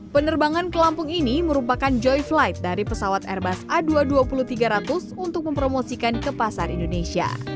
penerbangan ke lampung ini merupakan joy flight dari pesawat airbus a dua ratus dua puluh tiga ratus untuk mempromosikan ke pasar indonesia